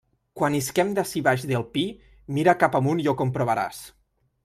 Quan isquem d'ací baix del pi, mira cap amunt i ho comprovaràs.